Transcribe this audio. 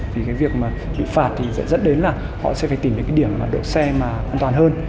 vì cái việc mà bị phạt thì sẽ dẫn đến là họ sẽ phải tìm đến cái điểm đỗ xe mà an toàn hơn